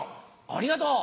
ありがとう！